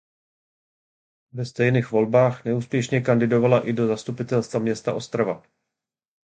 Ve stejných volbách neúspěšně kandidovala i do zastupitelstva města Ostrava.